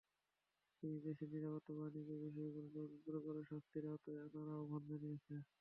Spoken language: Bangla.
তিনি দেশের নিরাপত্তা বাহিনীকে বিষয়গুলো তদন্ত করে শাস্তির আওতায় আনার আহ্বান জানিয়েছেন।